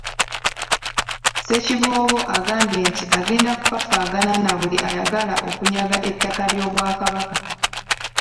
Ssekiboobo agambye nti agenda kufaafaagana na buli ayagala okunyaga ettaka ly’Obwakabaka.